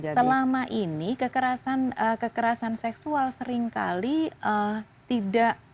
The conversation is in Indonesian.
selama ini kekerasan seksual seringkali tidak